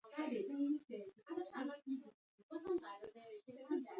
د ماڼوګي ولسوالۍ غرنۍ ده